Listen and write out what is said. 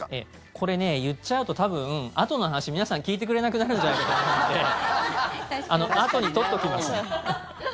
これ、言っちゃうと多分あとの話、皆さん聞いてくれなくなるんじゃないかと思うのであとに取っておきます。